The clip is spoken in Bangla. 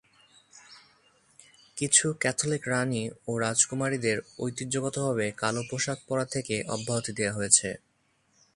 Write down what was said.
কিছু ক্যাথলিক রানী ও রাজকুমারীদের ঐতিহ্যগতভাবে কালো পোশাক পরা থেকে অব্যাহতি দেওয়া হয়েছে।